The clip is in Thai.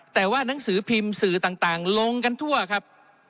แต่ว่านังสือพิมพ์สื่อต่างลงกันทั่วครับ